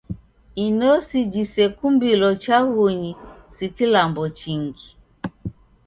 Inosi jisekumbilo chaghunyi si kilambo chingi.